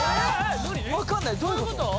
分かんないどういうこと？